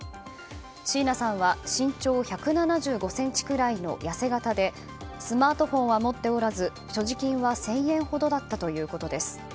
椎名さんは身長１７５ｃｍくらいの痩せ形でスマートフォンは持っておらず所持金は１０００円ほどだったということです。